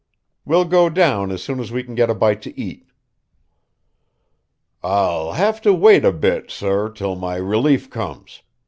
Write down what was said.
We'll go down as soon as we can get a bite to eat." "I'll have to wait a bit, sor, till my relief comes.